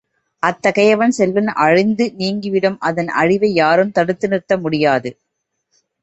அத்தகையவன் செல்வம் அழிந்து நீங்கிவிடும் அதன் அழிவை யாரும் தடுத்து நிறுத்த முடியாது.